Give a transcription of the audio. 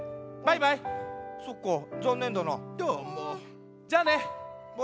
バイバイ。